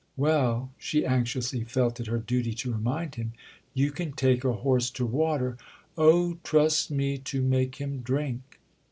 "Well," she anxiously felt it her duty to remind him, "you can take a horse to water——!" "Oh, trust me to make him drink!"